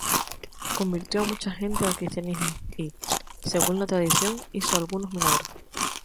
Convirtió a mucha gente al cristianismo y, según la tradición hizo algunos milagros.